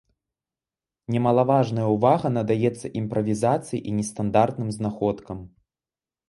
Немалаважнае ўвага надаецца імправізацыі і нестандартным знаходкам.